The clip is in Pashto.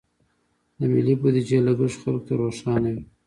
د ملي بودیجې لګښت خلکو ته روښانه وي.